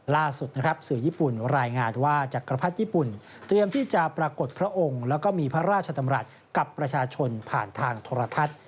ล่าสุดนะครับสื่อญี่ปุ่นรายงานว่าจักรพรรดิญี่ปุ่นเตรียมที่จะปรากฏพระองค์แล้วก็มีพระราชดำรัฐกับประชาชนผ่านทางโทรทัศน์